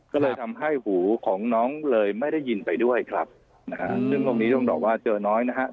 ก็เลยทำให้หูของน้องเลยไม่ได้ยินไปด้วยครับนะฮะซึ่งตรงนี้ต้องบอกว่าเจอน้อยนะฮะ